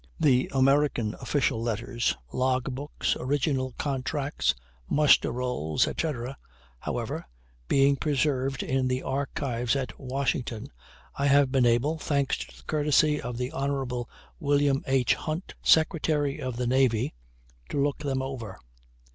The American official letters, log books, original contracts, muster rolls, etc., however, being preserved in the Archives at Washington, I have been able, thanks to the courtesy of the Hon. Wm. H. Hunt, Secretary of the Navy, to look them over.